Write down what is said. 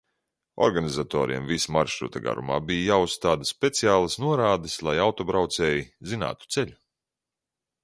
Organizatoriem visa maršruta garumā bija jāuzstāda speciālas norādes, lai autobraucēji zinātu ceļu.